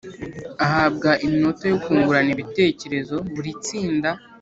ahabwa iminota yo kungurana ibitekerezo Buri tsinda